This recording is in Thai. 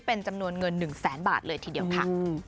เป็นจำนวนเงิน๑แสนบาทเลยทีเดียวค่ะ